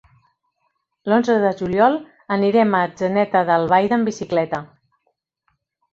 L'onze de juliol anirem a Atzeneta d'Albaida amb bicicleta.